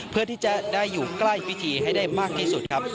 เพื่อทำให้อยู่ใกล้พิธีให้ได้มากที่สุด